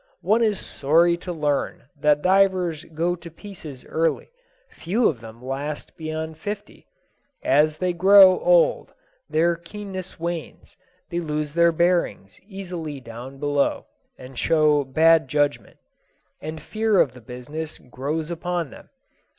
One is sorry to learn that divers go to pieces early; few of them last beyond fifty. As they grow old their keenness wanes; they lose their bearings easily down below, and show bad judgment. And fear of the business grows upon them.